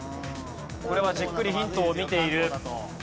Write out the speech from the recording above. これはじっくりヒントを見ている。